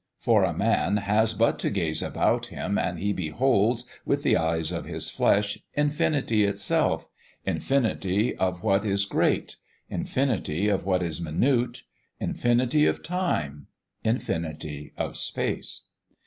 For a man has but to gaze about him and he beholds, with the eyes of his flesh, infinity itself infinity of what is great; infinity of what is minute; infinity of time; infinity of space.